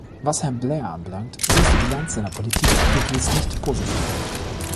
Was Herrn Blair anbelangt, so ist die Bilanz seiner Politik gewiss nicht positiv.